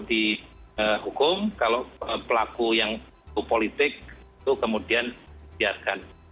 dihukum kalau pelaku yang itu politik itu kemudian dibiarkan